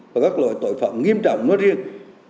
và các loại tội phạm nghiêm trọng nói riêng